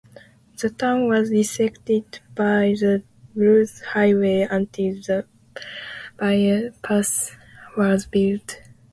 The town was bisected by the Bruce Highway until a bypass was built.